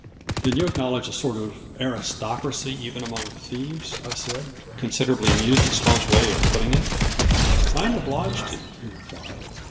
" Then you acknowledge a sort of aristocracy even among thieves ?" I said, considerably amused at Sloane's way of putting it. " I am obliged to," he replied.